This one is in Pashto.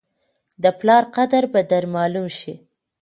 د پلار قدر به در معلوم شي !